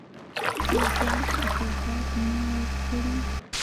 ډېر زیات فتوحات نه وه کړي.